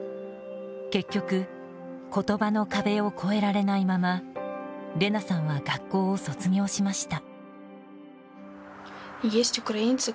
結局、言葉の壁を越えられないままレナさんは学校を卒業しました。